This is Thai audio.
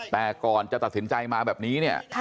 แต่ก่อนจะตัดสินใจมาแบบนี้เนี่ย